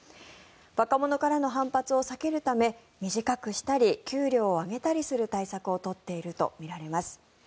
若者からの反発を避けるため短くしたり給料を上げたりする対策を取っているとみられます。